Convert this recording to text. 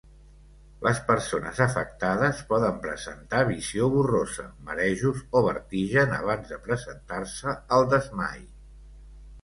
Les persones afectades poden presentar visió borrosa, marejos o vertigen abans de presentar-se el desmai.